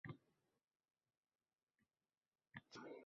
Halollikka boʼling banda